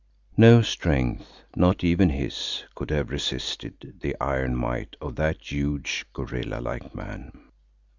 No strength, not even his, could have resisted the iron might of that huge, gorilla like man.